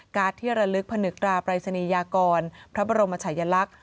ที่ระลึกผนึกตราปรายศนียากรพระบรมชายลักษณ์